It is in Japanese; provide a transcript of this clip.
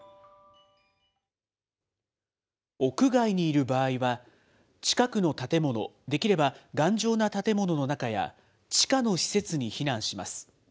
屋外にいる場合は、近くの建物、できれば頑丈な建物の中や、地下の施設に避難します。